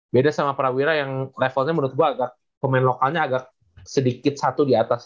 beda sama prawira yang levelnya menurut gue agak pemain lokalnya agak sedikit satu di atas